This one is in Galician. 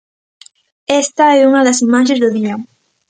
Esta é unha das imaxe do día.